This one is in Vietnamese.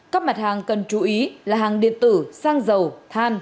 các mặt hàng cần chú ý là hàng điện tử xăng dầu than